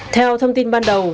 theo thông tin ban đầu